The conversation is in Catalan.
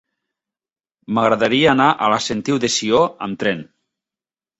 M'agradaria anar a la Sentiu de Sió amb tren.